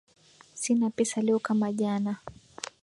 Sina pesa leo kama jana